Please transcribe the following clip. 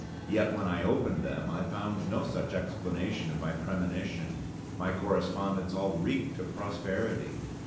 Yet when I opened them I found no such explanation of my premonition: my correspondents all reeked of prosperity.